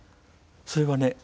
それはね